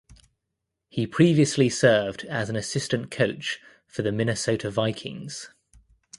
He previously served as an assistant coach for the Minnesota Vikings.